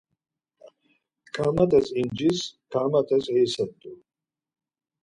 Karmat̆es incirs, karmat̆es eiselt̆u.